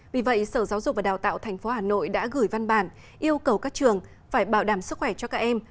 vì vậy sở giáo dục và đào tạo tp hà nội đã gửi văn bản yêu cầu các trường phải bảo đảm sức khỏe cho các em